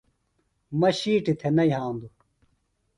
مہ شِیٹیۡ تھےۡ نہ یھاندوۡ۔